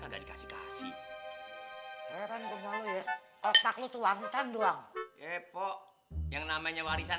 kagak dikasih kasih keren gue mau ya otak lu tuh warisan doang epok yang namanya warisan